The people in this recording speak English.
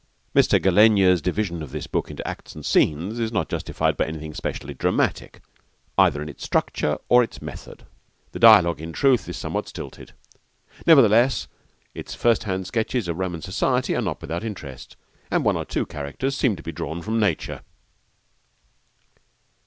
Mr. Gallenga's division of this book into acts and scenes is not justified by anything specially dramatic either in its structure or its method. The dialogue, in truth, is somewhat stilted. Nevertheless, its first hand sketches of Roman society are not without interest, and one or two characters seem to be drawn from nature.